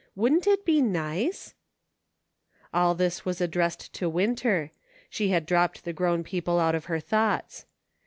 Wouldn't it be nice ?" All this was addressed to Winter; she had dropped the grown people out of her thoughts.